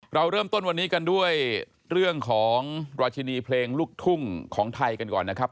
เราเริ่มต้นวันนี้กันด้วยเรื่องของราชินีเพลงลูกทุ่งของไทยกันก่อนนะครับ